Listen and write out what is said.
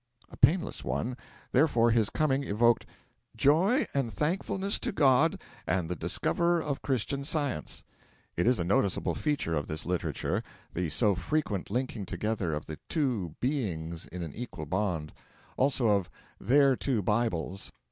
A painless one; therefore his coming evoked 'joy and thankfulness to God and the Discoverer of Christian Science.' It is a noticeable feature of this literature the so frequent linking together of the Two Beings in an equal bond; also of Their Two Bibles.